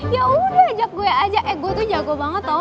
ya udah ajak gue aja eh gue tuh jago banget tau